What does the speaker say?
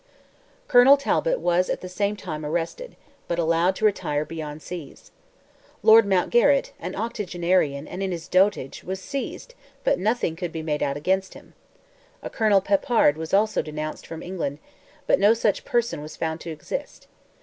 Colonel Talbot was at the same time arrested, but allowed to retire beyond seas; Lord Mountgarrett, an octogenarian, and in his dotage, was seized, but nothing could be made out against him; a Colonel Peppard was also denounced from England, but no such person was found to exist.